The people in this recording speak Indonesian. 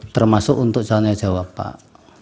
termasuk untuk saya jawab pak